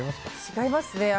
違いますね。